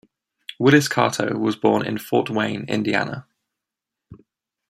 Willis Carto was born in Fort Wayne, Indiana.